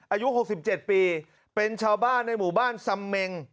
อายุ๖๗ปีเป็นชาวบ้านในหมู่บ้านสำเมง